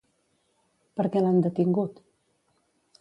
Per què l'han detingut?